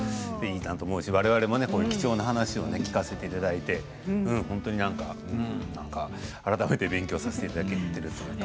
われわれも貴重な話を聞かせていただいて改めて勉強させていただいている。